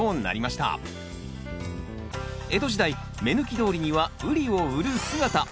江戸時代目抜き通りにはウリを売る姿。